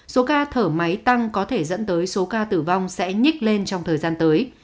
số ca thở máy tăng có thể dẫn tới số ca tử vong sẽ nhích lên trong thời gian tới